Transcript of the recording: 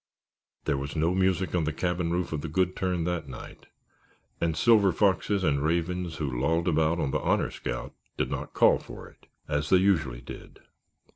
There was no music on the cabin roof of the Good Turn that night and the Silver Foxes and Ravens who lolled about on the Honor Scout did not call for it, as they usually did.